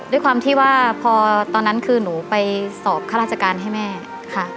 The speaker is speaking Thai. ด้วยความที่ว่าพอตอนนั้นคือหนูไปสอบข้าราชการให้แม่ค่ะ